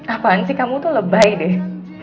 apaan sih kamu tuh lebay deh